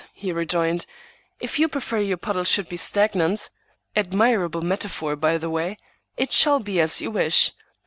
he rejoined. "If you prefer your puddle should be stagnant—admirable metaphor, by the way—it shall be as you wish.